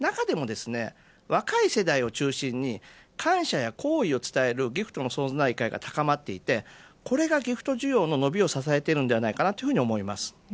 中でも、若い世代を中心に感謝や好意を伝えるギフトの存在感が高まっていてこれがギフト需要の伸びを支えているのではないかと思います。